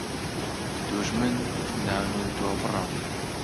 دوژمن نان و دۆ بڕە